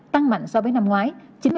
tăng mạnh so với năm ngoái